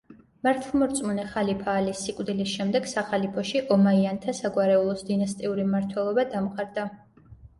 მართლმორწმუნე ხალიფა ალის სიკვდილის შემდეგ სახალიფოში ომაიანთა საგვარეულოს დინასტიური მმართველობა დამყარდა.